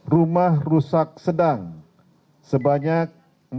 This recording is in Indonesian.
rumah rusak sedang sebanyak empat belas satu ratus sembilan puluh enam